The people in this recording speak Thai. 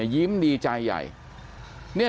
ยิ้มดีใจใหญ่